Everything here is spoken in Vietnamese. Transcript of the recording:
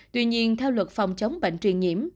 tuy nhiên theo luật phòng chống bệnh truyền nhiễm